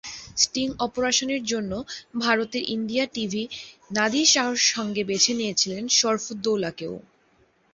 Sting অপারেশনের জন্য ভারতের ইন্ডিয়া টিভি নাদির শাহর সঙ্গে বেছে নিয়েছিল শরফুদ্দৌলাকেও।